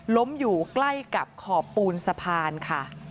ล้มอยู่ใกล้กับขอบปูนสะพานค่ะ